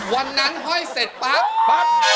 วันนั้นห้อยเสร็จปั๊ป